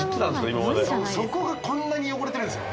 今までそこがこんなに汚れてるんすよ